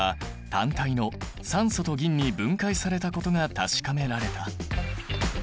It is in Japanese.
単体の酸素と銀に分解されことが確かめられた。